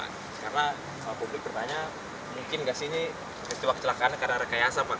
karena publik bertanya mungkin gak sih ini kecelakaan karena rekayasa pak